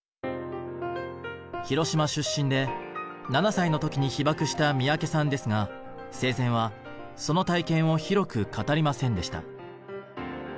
広島出身で７歳の時に被爆した三宅さんですが生前はその体験を広く語りませんでした。